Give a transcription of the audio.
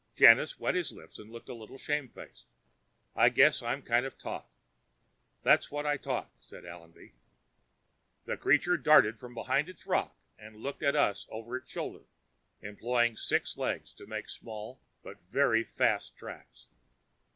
Janus wet his lips and looked a little shamefaced. "I guess I'm kind of taut." "That's what I taut," said Allenby. The creature darted from behind its rock and, looking at us over its shoulder, employed six legs to make small but very fast tracks.